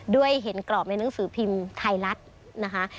ด้วยเห็นกรอบในหนังสือพิมพ์ไทยรัฐนะคะ